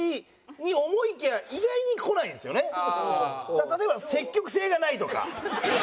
例えば「積極性がない」とか。